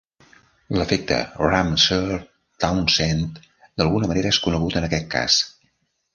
L'efecte Ramseur-Townsend d'alguna manera és conegut en aquest cas.